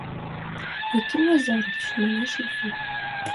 — Яким Лазырыч, — манеш Ефим.